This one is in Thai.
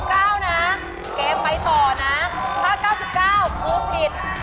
ข้าว๗๙นะเกมไปต่อนะข้าว๙๙พูดผิด